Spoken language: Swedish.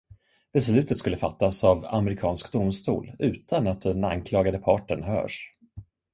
Beslutet skulle fattas av amerikansk domstol utan att den anklagade parten hörs.